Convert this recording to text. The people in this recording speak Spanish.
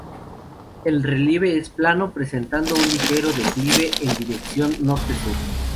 El relieve es plano, presentando un ligero declive en dirección norte-sur.